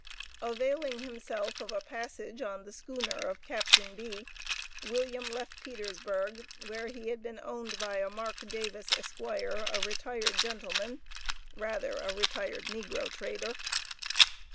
Availing himself of a passage on the schooner of Captain B., William left Petersburg, where he had been owned by "Mark Davis, Esq., a retired gentleman," rather, a retired negro trader.